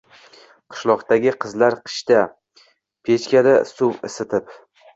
qishloqdagi qizlar qishda pechkada suv isitib